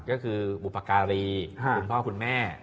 ก็คือบุปการีคุณพ่อคุณแม่